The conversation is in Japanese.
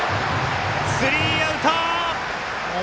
スリーアウト！